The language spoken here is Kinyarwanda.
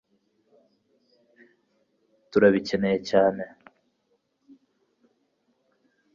turabikeneye cyane